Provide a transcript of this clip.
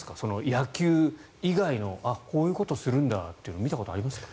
野球以外のこういうことするんだというの見たことありますか？